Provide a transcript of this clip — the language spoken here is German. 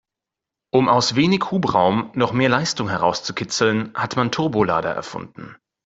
Um aus wenig Hubraum noch mehr Leistung herauszukitzeln, hat man Turbolader erfunden.